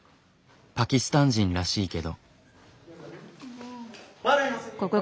パキスタン人らしいけど。